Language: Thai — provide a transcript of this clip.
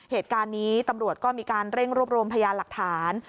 เหตุการณ์นี้ตำรวจก็มีการเร่งรวบรวมพยานหลักฐาน